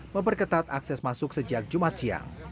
memperketat akses masuk sejak jumat siang